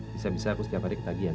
bisa bisa aku setiap hari ketagihan